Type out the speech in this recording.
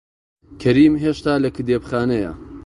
کەریم هێشتا لە کتێبخانەیە.